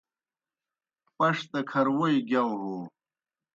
پݜ دہ کھرہ ووئی گِیاؤ ہو